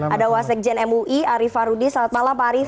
ada wak sekjen mui ariefa rudi selamat malam pak arief